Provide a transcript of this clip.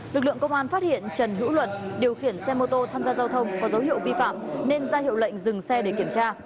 lực lượng công an phát hiện trần hữu luận điều khiển xe mô tô tham gia giao thông có dấu hiệu vi phạm nên ra hiệu lệnh dừng xe để kiểm tra